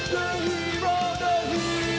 โปรดติดตามตอนต่อไป